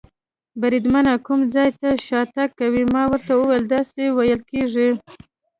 بریدمنه، کوم ځای ته شاتګ کوو؟ ما ورته وویل: داسې وېل کېږي.